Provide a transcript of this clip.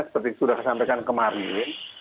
seperti sudah saya sampaikan kemarin